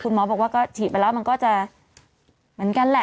หมอบอกว่าก็ฉีดไปแล้วมันก็จะเหมือนกันแหละ